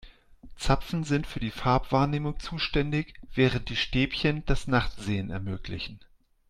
Zapfen sind für die Farbwahrnehmung zuständig, während die Stäbchen das Nachtsehen ermöglichen.